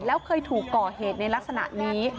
แล้วเคยถูกก่อเหตุในลักษณะนี้